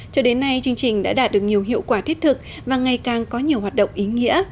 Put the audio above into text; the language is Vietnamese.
cho đến nay chương trình đã đạt được nhiều hiệu quả thiết thực và ngày càng có nhiều hoạt động ý nghĩa